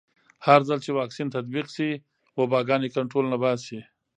هرځل چې واکسین تطبیق شي، وباګانې کنټرول نه باسي.